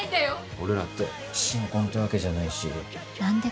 俺らって新婚ってわけじゃないし。